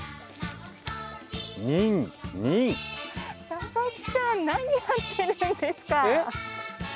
佐々木さん何やってるんですか！